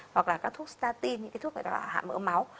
hoặc là các thuốc statin những thuốc gọi là hạ mỡ máu